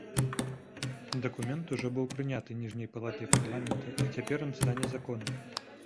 Дакумент ужо быў прыняты ніжняй палатай парламента і цяпер ён стане законам.